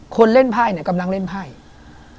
คนเล่นไพ่เนี่ยกำลังเล่นไพ่